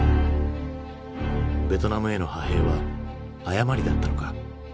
ベトナムへの派兵は誤りだったのか？